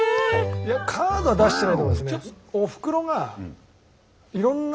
いやカードは出してないと思いますね。